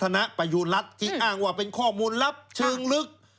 โทษศาลธนประยุรัติที่อ้างว่าเป็นข้อมูลลับชึงลึก